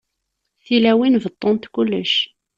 Tilawin beṭṭunt kullec.